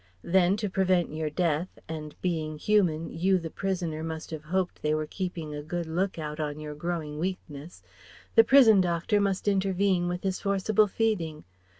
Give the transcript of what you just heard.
Then to prevent your death and being human you, the prisoner, must have hoped they were keeping a good look out on your growing weakness the prison doctor must intervene with his forcible feeding.